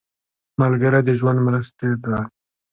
ملګری د ژوند مرستې دی